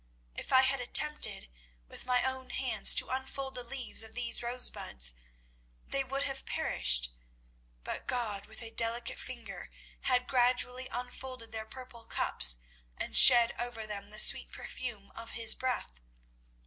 If I had attempted with my own hands to unfold the leaves of these rosebuds, they would have perished; but God with a delicate finger had gradually unfolded their purple cups and shed over them the sweet perfume of His breath.